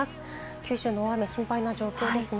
九州の大雨、心配な状況です。